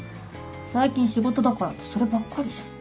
最近「仕事だから」ってそればっかりじゃん。